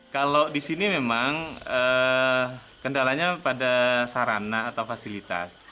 kalau di sini memang kendalanya pada sarana atau fasilitas